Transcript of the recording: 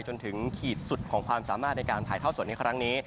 จนถึงขีดสุดของความสามารถในการถ่ายท่อสดในครั้งนี้